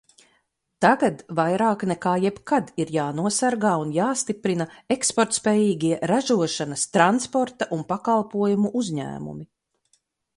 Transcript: Tagad vairāk nekā jebkad ir jānosargā un jāstiprina eksportspējīgie ražošanas, transporta un pakalpojumu uzņēmumi.